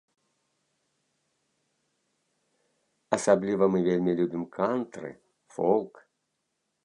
Асабліва мы вельмі любім кантры, фолк.